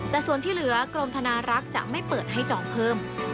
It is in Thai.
แต่ส่วนที่เหลือกรมธนารักษ์จะไม่เปิดให้จองเพิ่ม